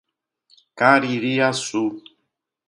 Caririaçu